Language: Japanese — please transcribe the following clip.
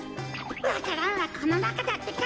わか蘭はこのなかだってか。